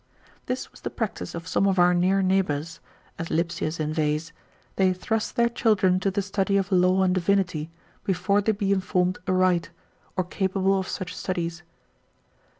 This was the practice of some of our near neighbours, as Lipsius inveighs, they thrust their children to the study of law and divinity, before they be informed aright, or capable of such studies.